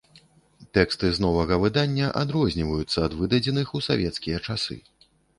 Тэксты з новага выдання адрозніваюцца ад выдадзеных у савецкія часы.